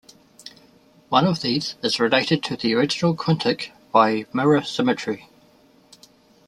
One of these is related to the original quintic by mirror symmetry.